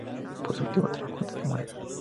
Fue su último trabajo antes de morir.